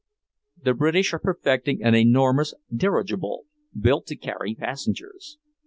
The British are perfecting an enormous dirigible, built to carry passengers.